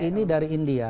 ini dari india